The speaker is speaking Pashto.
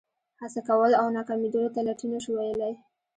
هڅه کول او ناکامېدلو ته لټي نه شو ویلای.